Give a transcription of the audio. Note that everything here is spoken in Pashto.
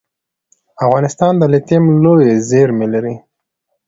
افغانستان د لیتیم لویې زیرمې لري